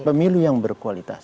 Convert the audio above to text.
pemilu yang berkualitas